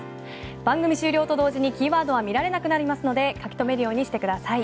番組終了と同時にキーワードは見られなくなりますので書きとめるようにしてください。